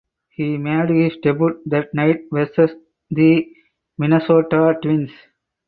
He made his debut that night versus the Minnesota Twins.